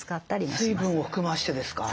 水分を含ましてですか？